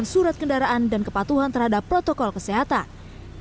dan juga penerapan surat kendaraan dan kepatuhan terhadap protokol kesehatan